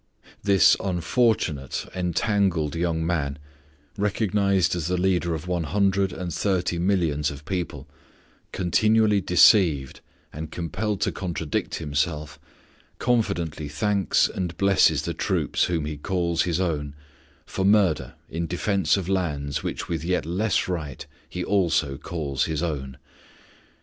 This unfortunate, entangled young man, recognized as the leader of one hundred and thirty millions of people, continually deceived and compelled to contradict himself, confidently thanks and blesses the troops whom he calls his own for murder in defence of lands which with yet less right he also calls his own.